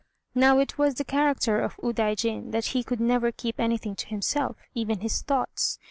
Now it was the character of Udaijin that he could never keep anything to himself, even his thoughts.